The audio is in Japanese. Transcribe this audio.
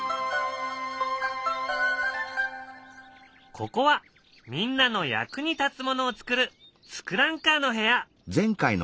ここはみんなの役に立つものをつくる「ツクランカー」の部屋。